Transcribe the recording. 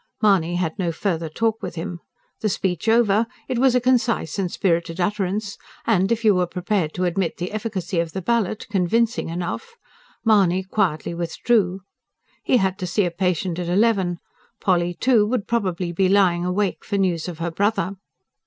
Mahony had no further talk with him. The speech over it was a concise and spirited utterance, and, if you were prepared to admit the efficacy of the ballot, convincing enough Mahony quietly withdrew. He had to see a patient at eleven. Polly, too, would probably be lying awake for news of her brother.